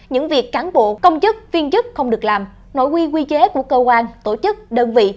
những việc cán bộ công chức viên chức không được làm nội quy quy chế của cơ quan tổ chức đơn vị